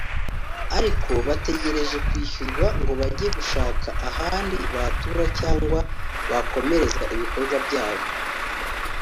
ariko bategereje kwishyurwa ngo bajye gushaka ahandi batura cyangwa bakomereza ibikorwa byabo